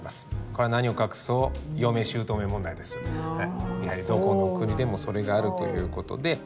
これは何を隠そうやはりどこの国でもそれがあるということで。